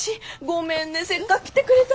ごめんねせっかく来てくれたのにね。